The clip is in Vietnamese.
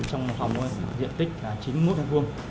trong một phòng diện tích là chín mươi một tháng vuông